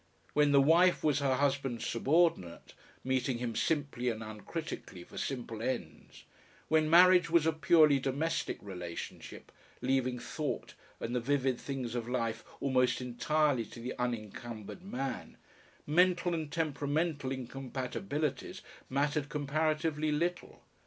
When the wife was her husband's subordinate, meeting him simply and uncritically for simple ends, when marriage was a purely domestic relationship, leaving thought and the vivid things of life almost entirely to the unencumbered man, mental and temperamental incompatibilities mattered comparatively little.